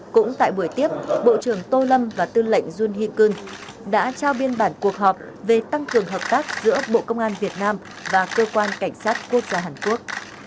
cũng tại buổi tiếp bộ trưởng tô lâm và tư lệnh junikun đã trao biên bản cuộc họp về tăng cường hợp tác giữa bộ công an việt nam và cơ quan cảnh sát quốc gia hàn quốc